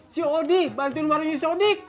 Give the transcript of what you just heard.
si odi bantuin warungnya sodi